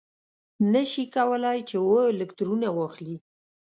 نه شي کولای چې اوه الکترونه واخلي.